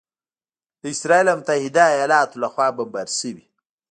د اسراییل او متحده ایالاتو لخوا بمبار شوي